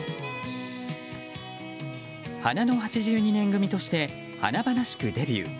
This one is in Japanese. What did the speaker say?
花の８２年組として華々しくデビュー。